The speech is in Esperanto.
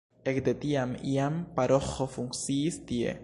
Ekde tiam jam paroĥo funkciis tie.